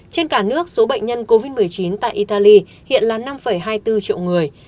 trên cả nước số bệnh nhân covid một mươi chín tại italy hiện là năm hai mươi bốn triệu người